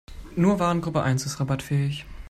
Nur Warengruppe eins ist rabattfähig.